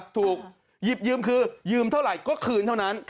ถูกหยิบยืมคือยืมเท่าไหร่ก็คืนเท่านั้น